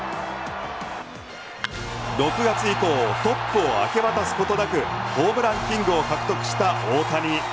６月以降トップを明け渡すことなくホームランキングを獲得した大谷。